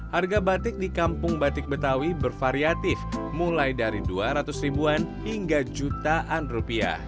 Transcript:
harga batik di kampung batik betawi bervariatif mulai dari rp dua ratus ribuan hingga jutaan rupiah